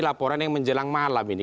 laporan yang menjelang malam ini